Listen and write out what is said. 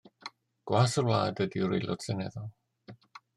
Gwas y wlad ydyw'r aelod Seneddol.